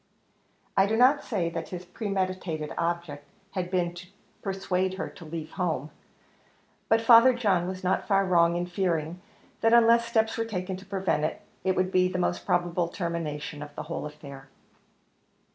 I do not say that his premeditated object had been to persuade her to leave her home, but Father John was not far wrong in fearing, that unless steps were taken to prevent it, it would be the most probable termination to the whole affair.